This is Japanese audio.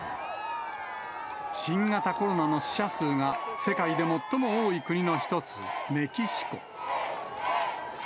新型コロナの死者数が世界で最も多い国の一つ、メキシコ。